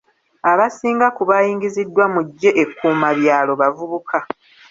Abasinga ku baayingiziddwa mu ggye ekkuumabyalo bavubuka.